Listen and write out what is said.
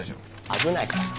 危ないからそれ。